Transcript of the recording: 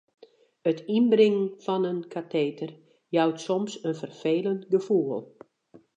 It ynbringen fan it kateter jout soms in ferfelend gefoel.